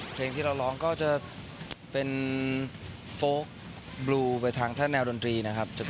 เพลงที่เราร้องก็จะเป็นโฟลกบลูไปทางท่านแนวดนตรีนะครับ